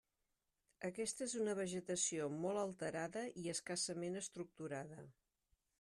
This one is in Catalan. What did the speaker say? Aquesta és una vegetació molt alterada i escassament estructurada.